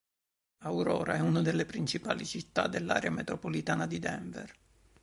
Aurora è una delle principali città dell'area metropolitana di Denver.